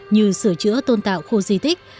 như sửa chữa tôn tạo khu di tích